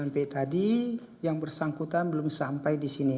pt s sembilan puluh tadi yang bersangkutan belum sampai di sini